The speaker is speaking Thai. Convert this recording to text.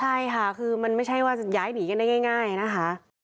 ใช่ค่ะคือมันไม่ใช่ว่าจะย้ายหนีกันได้ง่ายนะคะ